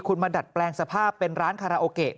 คุณมาดัดแปลงสภาพเป็นร้านคาราโอเกะ